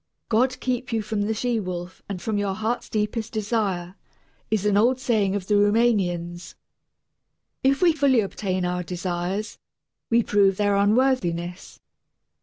"God keep you from the she wolf and from your heart's deepest desire," is an old saying of the Rumanians. If we fully obtain our desires, we prove their unworthiness.